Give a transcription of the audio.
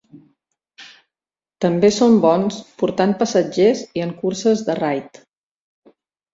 També són bons portant passatgers i en curses de raid.